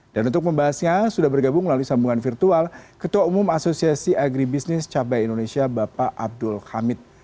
untuk membahasnya sudah bergabung melalui sambungan virtual ketua umum asosiasi agribisnis cabai indonesia bapak abdul hamid